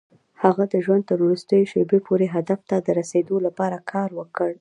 هغه د ژوند تر وروستيو شېبو پورې هدف ته د رسېدو لپاره کار وکړ.